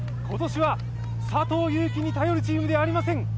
今年は佐藤悠基に頼るチームではありません。